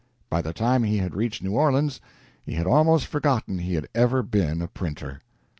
By the time he had reached New Orleans he had almost forgotten he had ever been a printer.